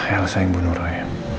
elsa yang bunuh roy